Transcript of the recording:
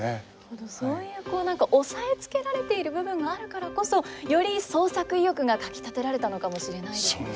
本当にそういうこう何か抑えつけられている部分があるからこそより創作意欲がかきたてられたのかもしれないですね。